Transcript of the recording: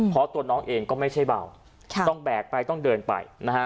เพราะตัวน้องเองก็ไม่ใช่เบาต้องแบกไปต้องเดินไปนะฮะ